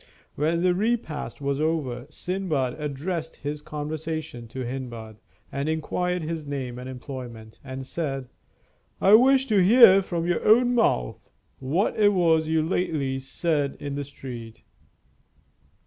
When the repast was over, Sindbad addressed his conversation to Hindbad, and inquired his name and employment, and said: "I wish to hear from your own mouth what it was you lately said in the street."